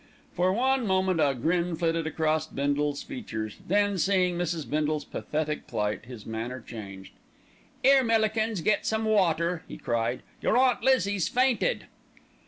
For one moment a grin flitted across Bindle's features, then, seeing Mrs. Bindle's pathetic plight, his manner changed. "'Ere, Millikins, get some water," he cried. "Your Aunt Lizzie's fainted."